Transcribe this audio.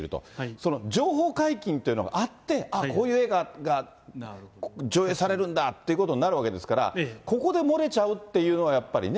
その情報解禁というのがあって、ああ、こういう映画が上映されるんだということになるわけですから、ここで漏れちゃうっていうのは、やっぱりね。